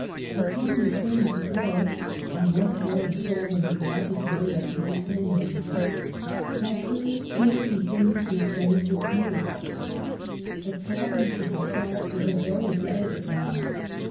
Upon returning to Paris, and once more in stalled in his laboratory at the Ecole Normale, Pasteur still continued his studies of beer. The problem to be solved was a very delicate one.